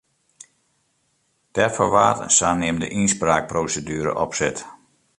Dêrfoar waard in saneamde ynspraakproseduere opset.